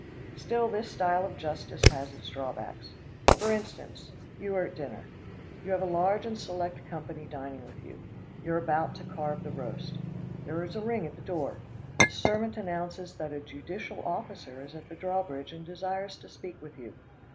Still this style of justice has its drawbacks. For instance, you are at dinner. You have a large and select company dining with you. You are about to carve the roast There is a ring at the door. The servant announces that a judicial officer is at the drawbridge and desires to speak with you.